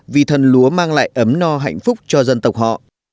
vì thần lúa mang lại ấm no hạnh phúc cho dân tộc họ